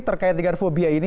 terkait dengan fobia ini